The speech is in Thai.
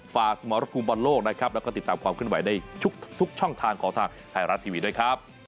ฝาสมรพลปลอลโลกนะครับ